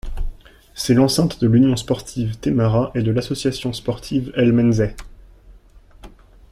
C'est l'enceinte de l'Union sportive Témara et de l'Association Sportive El Menzeh.